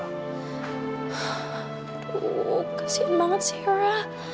aduh kasihan banget sih hera